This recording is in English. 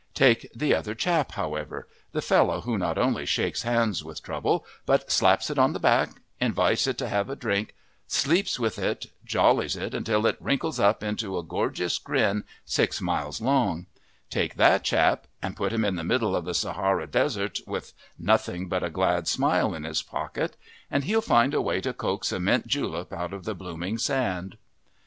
Take the other chap, however the fellow who not only shakes hands with Trouble, but slaps it on the back, invites it to have a drink, sleeps with it, jollies it until it wrinkles up into a gorgeous grin six miles long; take that chap and put him in the middle of the Sahara Desert with nothing but a glad smile in his pocket, and he'll find a way to coax a mint julep out of the blooming sand!